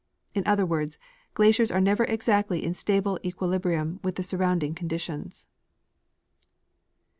In other words, glaciers are never exactly in stable equilibrium with the surrounding con ditions.